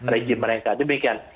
rejim mereka demikian